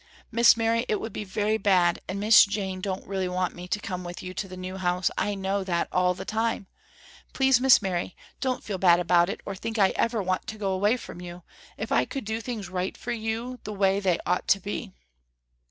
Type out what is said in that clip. Miss Mary, it would be very bad and Miss Jane don't really want me to come with you to the new house, I know that all the time. Please Miss Mary don't feel bad about it or think I ever want to go away from you if I could do things right for you the way they ought to be."